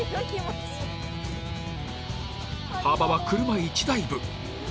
幅は車１台分。